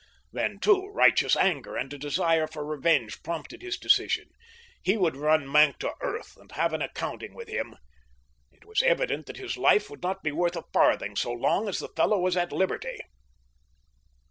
Then, too, righteous anger and a desire for revenge prompted his decision. He would run Maenck to earth and have an accounting with him. It was evident that his life would not be worth a farthing so long as the fellow was at liberty.